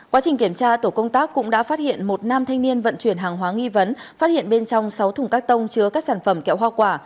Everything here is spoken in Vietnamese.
quá trình kiểm tra tổ công tác cũng đã phát hiện một nam thanh niên vận chuyển hàng hóa nghi vấn phát hiện bên trong sáu thùng các tông chứa các sản phẩm kẹo hoa quả